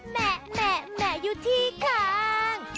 แหม่แหม่แหม่อยู่ที่ข้าง